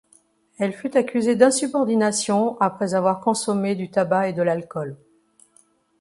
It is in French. Elle fut accusée d'insubordination après avoir consommé du tabac et de l'alcool.